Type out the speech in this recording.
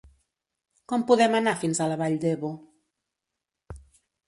Com podem anar fins a la Vall d'Ebo?